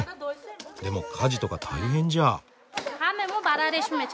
でも家事とか大変じゃ？